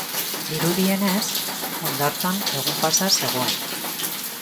Dirudienez, hondartzan egun-pasa zegoen.